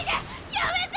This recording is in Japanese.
やめて！